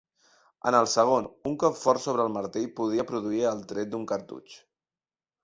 En el segon, un cop fort sobre el martell podia produir el tret d'un cartutx.